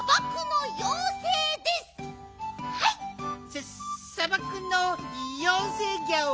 ささばくのようせいギャオ。